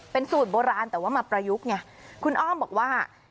เป็นสูตรโบราณแต่ว่ามาประยุกต์ไงคุณอ้อมบอกว่า